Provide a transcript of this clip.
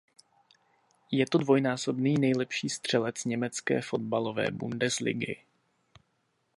Je to dvojnásobný nejlepší střelec německé fotbalové Bundesligy.